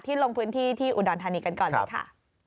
ลงพื้นที่ที่อุดรธานีกันก่อนเลยค่ะ